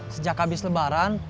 sejak abis lebaran